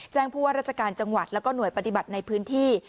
ผู้ว่าราชการจังหวัดแล้วก็หน่วยปฏิบัติในพื้นที่